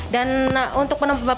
dan untuk penerbangan